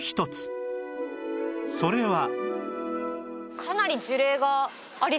それは